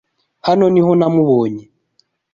Hano niho namubonye